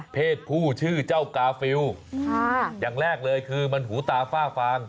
เพศผู้ชื่อเจ้ากาฟิลอย่างแรกเลยคือมันหูตาฝ้าฟาง